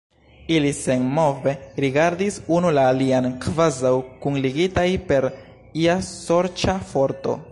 Ili senmove rigardis unu la alian, kvazaŭ kunligitaj per ia sorĉa forto.